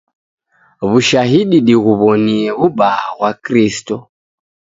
W'ushahidi dighuwonie w'ubaa ghwa Kristo.